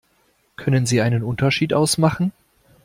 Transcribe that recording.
Können Sie einen Unterschied ausmachen?